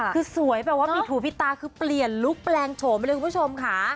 คือสวยแบบว่าผิดหูผิดตาคือเปลี่ยนลุคแปลงโฉมไปเลยคุณผู้ชมค่ะ